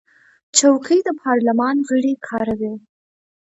چوکۍ د پارلمان غړي کاروي.